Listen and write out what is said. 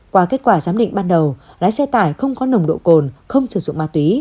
qua kết quả giám định ban đầu lái xe tải không có nồng độ cồn không sử dụng ma túy